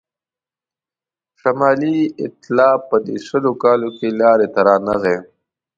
شمالي ایتلاف په دې شلو کالو کې لاري ته رانغی.